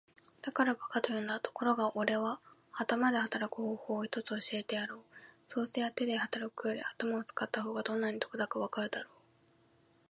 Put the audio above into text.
「だから馬鹿と言うんだ。ところがおれは頭で働く方法を一つ教えてやろう。そうすりゃ手で働くより頭を使った方がどんなに得だかわかるだろう。」